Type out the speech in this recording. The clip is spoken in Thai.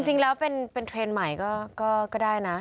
จริงแล้วเป็นเทรนด์ใหม่ก็ได้นะ